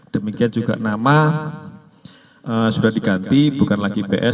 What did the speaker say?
demikian juga nama sudah diganti bukan lagi ps